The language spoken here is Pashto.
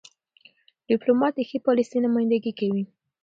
. ډيپلومات د ښې پالیسۍ نمایندګي کوي.